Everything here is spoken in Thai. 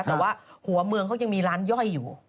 แต่ว่าหัวเมืองเขายังมีร้านย่อยอยู่